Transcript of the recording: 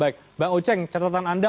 baik mbak uceng catatan anda